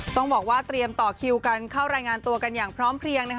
ต้องบอกว่าเตรียมต่อคิวกันเข้ารายงานตัวกันอย่างพร้อมเพลียงนะคะ